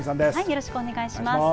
よろしくお願いします。